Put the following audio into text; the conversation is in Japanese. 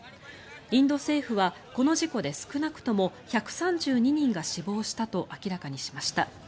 インド政府は、この事故で少なくとも１３２人が死亡したと明らかにしました。